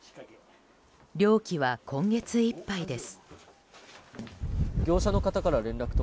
漁期は今月いっぱいです。